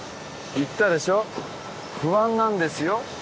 言ったでしょう不安なんですよ